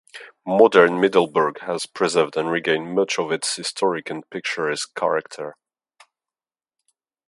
Modern Middelburg has preserved and regained much of its historic and picturesque character.